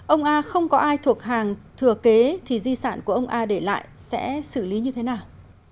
ông a không có ai thuộc hàng thừa kế thì di sản của ông a để lại sẽ xử lý như thế nào